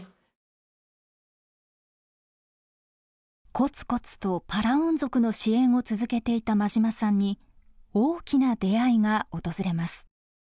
コツコツとパラウン族の支援を続けていた馬島さんに大きな出会いが訪れます。